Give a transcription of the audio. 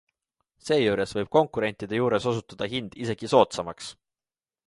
Seejuures võib konkurentide juures osutuda hind isegi soodsamaks.